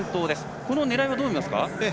このラインはどう見ますか？